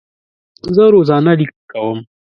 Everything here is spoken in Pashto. زه روزانه لیک کوم.